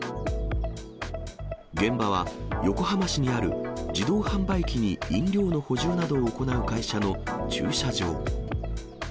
現場は横浜市にある自動販売機に飲料の補充などを行う会社の駐車場。